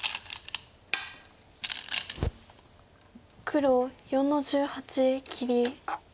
黒４の十八切り。